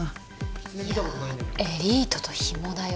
いやエリートとヒモだよ？